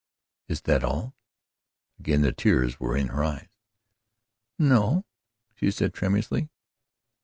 "Is that all?" Again the tears were in her eyes. "No," she said tremulously.